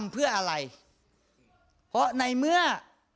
เพื่ออะไรเพราะในเมื่อ